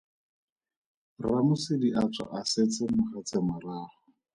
RraMosidi a tswa a setse mogatse morago.